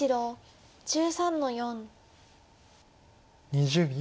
２０秒。